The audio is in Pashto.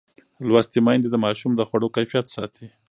لوستې میندې د ماشوم د خوړو کیفیت ساتي.